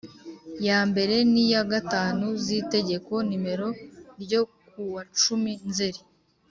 ya mbere n iya gatanu z Itegeko nimero ryo kuwacumi nzeri